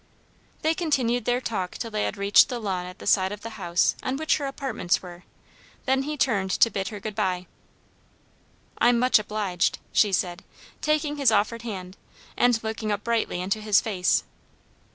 They continued their talk till they had reached the lawn at the side of the house on which her apartments were; then he turned to bid her good bye. "I'm much obliged!" she said, taking his offered hand, and looking up brightly into his face.